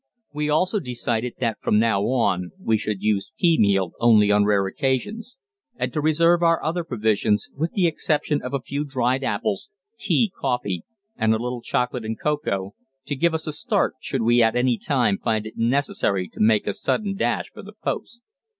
We also decided that from now on we should use pea meal only on rare occasions, and to reserve our other provisions, with the exception of a few dried apples, tea, coffee and a little chocolate and cocoa, to give us a start should we at any time find it necessary to make a sudden dash for the Post.